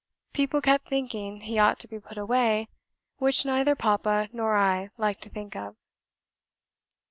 People kept hinting he ought to be put away, which neither papa nor I liked to think of."